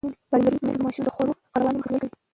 تعلیم لرونکې میندې د ماشومانو د خوړو خرابوالی مخنیوی کوي.